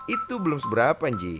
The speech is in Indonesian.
itu belum seberapa ji